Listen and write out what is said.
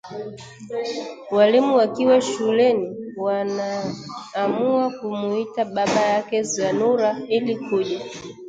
Walimu wakiwa shuleni wanaamua kumuita baba yake Zanura ili kujua